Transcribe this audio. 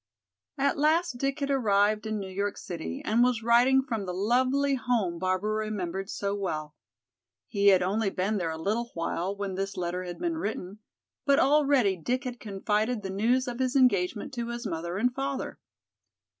At last Dick had arrived in New York City and was writing from the lovely home Barbara remembered so well. He had only been there a little while when this letter had been written, but already Dick had confided the news of his engagement to his mother and father.